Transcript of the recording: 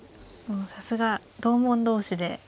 さすが同門同士で。